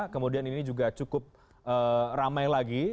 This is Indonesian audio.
kemudian ini juga cukup ramai lagi